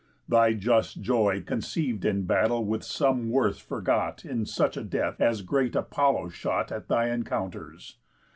Thy just joy Conceiv'd in battle with some worth forgot In such a death as great Apollo shot At thy encounters.